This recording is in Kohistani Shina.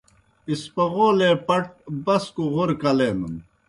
اسپغولے پٹ بسکوْ غورہ کلینَن۔